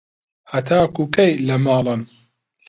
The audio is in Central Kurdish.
هەتاکوو کەی لە ماڵن؟